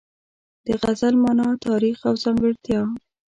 د غزل مانا، تاریخ او ځانګړتیا